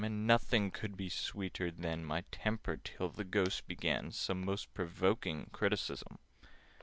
And nothing could be sweeter than My temper, till the Ghost began Some most provoking criticism.